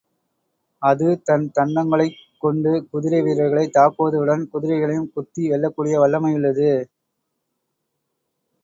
அது தன் தந்தங்களைக் கொண்டு குதிரை வீரர்களைத் தாக்குவதுடன், குதிரைகளையும் குத்தி வெல்லக்கூடிய வல்லமையுள்ளது.